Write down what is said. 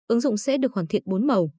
ứng dụng sẽ được hoàn thiện bốn màu